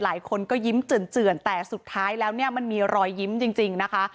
หลายคนก็ยิ้มเจื่อนแต่สุดท้ายแล้วเนี่ยมันมีรอยยิ้มจริงนะคะ